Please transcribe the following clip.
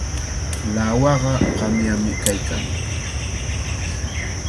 Lawaqa qamyami kaykan.